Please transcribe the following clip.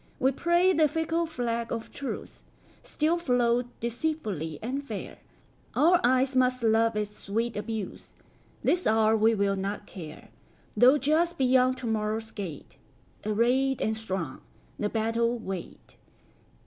We pray the fickle flag of truceStill float deceitfully and fair; Our eyes must love its sweet abuse; This hour we will not care, Though just beyond to morrow's gate, Arrayed and strong, the battle wait.